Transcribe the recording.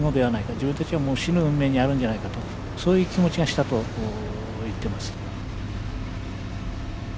自分たちはもう死ぬ運命にあるんじゃないかとそういう気持ちがしたと言ってます。